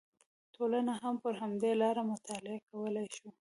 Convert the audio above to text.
ټولنه هم پر همدې لاره مطالعه کولی شو